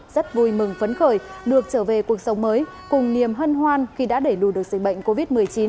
rất vui mừng phấn khởi được trở về cuộc sống mới cùng niềm hân hoan khi đã đẩy lùi được dịch bệnh covid một mươi chín